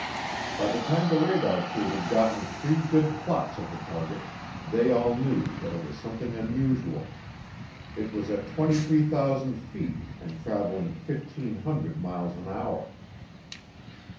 By the time the radar crew had gotten three good plots of the target, they all knew that it was something unusual it was at 23,000 feet and traveling 1,500 miles an hour.